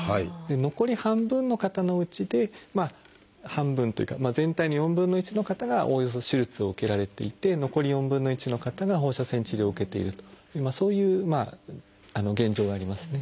残り半分の方のうちで半分というか全体の４分の１の方がおおよそ手術を受けられていて残り４分の１の方が放射線治療を受けているというそういう現状がありますね。